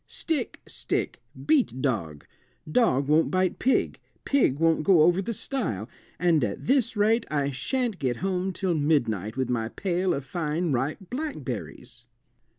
"Stick, stick, beat dog; dog won't bite pig, pig won't go over the stile, and at this rate I shan't get home till midnight with my pail of fine ripe blackberries."